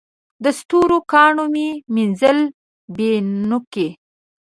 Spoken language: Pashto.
د ستورو کاڼي مې مینځل بڼوکي